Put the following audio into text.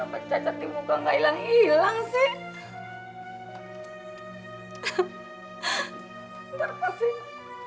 kenapa cacat di muka gak hilang hilang sih